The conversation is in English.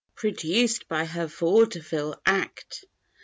Produced by her vaudeville act.